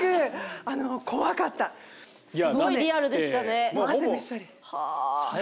すごいリアルでしたね。